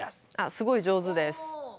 すごい上手です。